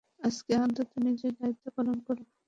আজকে অন্তত নিজের দায়িত্ব পালন করো!